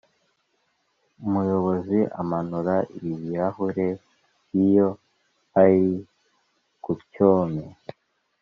umuyobozi amanura ibirahure iyo ari kucyome